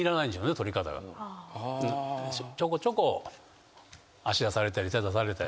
ちょこちょこ足出されたり手出されて。